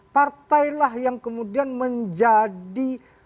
partailah yang kemudian menjadi